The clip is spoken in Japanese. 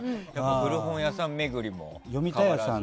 古本屋さん巡りも変わらず。